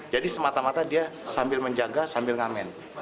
jadi semata mata dia sambil menjaga sambil mengamen